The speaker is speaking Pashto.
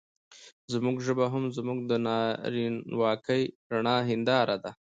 زموږ ژبه هم زموږ د نارينواکۍ رڼه هېنداره ده.